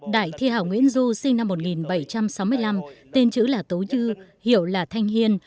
đại thi hảo nguyễn du sinh năm một nghìn bảy trăm sáu mươi năm tên chữ là tố dư hiểu là thanh hiên